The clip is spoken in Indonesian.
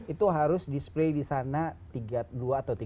itu harus display di sana dua atau tiga